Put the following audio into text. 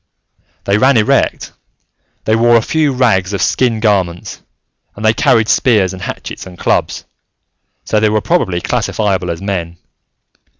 They ran erect, they wore a few rags of skin garments, and they carried spears and hatchets and clubs, so they were probably classifiable as men.